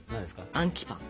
「アンキパン」。